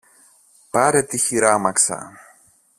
Πάρε τη χειράμαξα